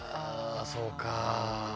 そうか。